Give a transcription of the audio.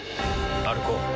歩こう。